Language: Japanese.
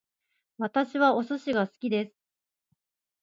私はお寿司が好きです